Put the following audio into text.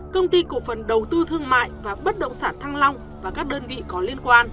công ty cổ phần đầu tư thương mại và bất động sản thăng long và các đơn vị có liên quan